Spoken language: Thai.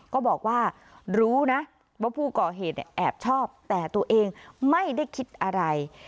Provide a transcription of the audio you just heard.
ก็บอกว่ารู้นะว่าผู้ก่อเหตุแอบชอบแต่ตัวเองไม่ได้คิดอะไร